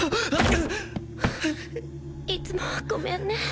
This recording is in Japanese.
いつもごめんね